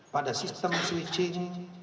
pada sistem switching